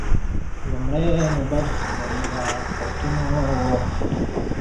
لومړۍ نوبت د ملاقاتونو و.